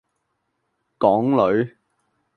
港女